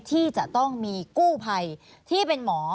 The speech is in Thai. ที่จะต้องมีกู้ภัยที่เป็นหมอ